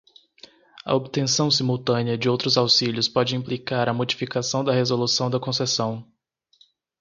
A obtenção simultânea de outros auxílios pode implicar a modificação da resolução da concessão.